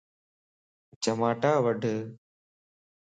چماٽا وڍ